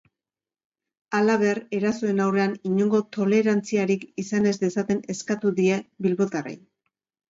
Halaber, erasoen aurrean inongo tolerantziarik izan ez dezaten eskatu die bilbotarrei.